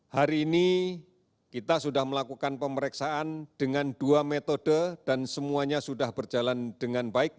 hari ini kita sudah melakukan pemeriksaan dengan dua metode dan semuanya sudah berjalan dengan baik